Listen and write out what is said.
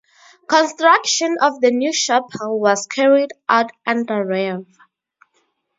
Construction of the new chapel was carried out under Rev.